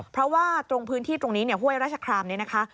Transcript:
เพราะว่าตรงพื้นที่ตรงนี้เนี่ยห้วยราชครามนี้นะคะ